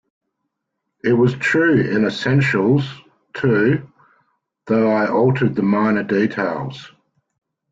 It was true in essentials, too, though I altered the minor details.